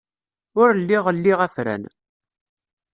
Ur lliɣ liɣ afran.